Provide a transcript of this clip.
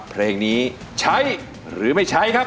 เพลงนี้ใช้หรือไม่ใช้ครับ